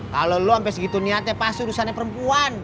kalo lo ampe segitu niatnya pasti urusannya perempuan